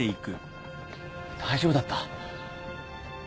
大丈夫だった？